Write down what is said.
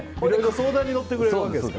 相談に乗ってくれるんですね。